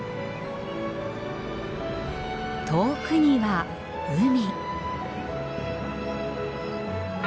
遠くには海。